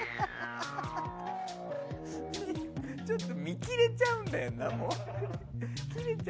ちょっと見切れちゃうんだよなもう。